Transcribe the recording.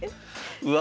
うわ。